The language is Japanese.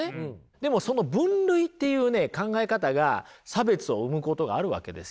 でもその分類っていうね考え方が差別を生むことがあるわけですよ。